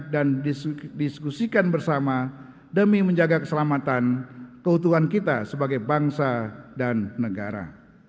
diskusikan bersama demi menjaga keselamatan keutuhan kita sebagai bangsa dan negara